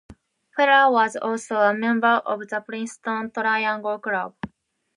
Ferrer was also a member of the Princeton Triangle Club.